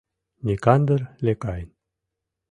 НИКАНДР ЛЕКАЙН